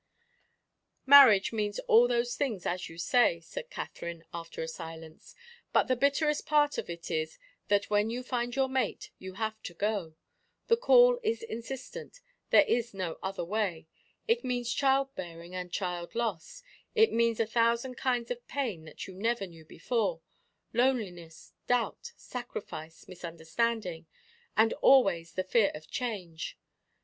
"Marriage means all those things, as you say," said Katherine, after a silence; "but the bitterest part of it is that, when you find your mate, you have to go. The call is insistent there is no other way. It means child bearing and child loss it means a thousand kinds of pain that you never knew before, loneliness, doubt, sacrifice, misunderstanding, and always the fear of change.